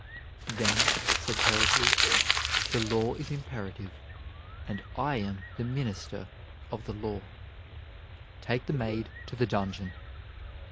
"Then," said Pericles, "the law is imperative, and I am the minister of the law. Take the maid to the dungeon."